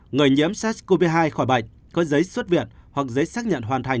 người nhiễm sars cov hai khỏi bệnh có giấy xuất việt hoặc giấy xác nhận hoàn thành